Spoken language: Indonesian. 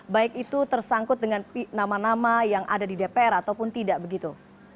baik itu tersangkut dengan nama nama yang ada di dpr ataupun tidak begitu